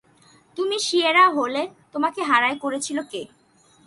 তুমি সিয়েরা হলে, তোমাকে হায়ার করেছিল কে?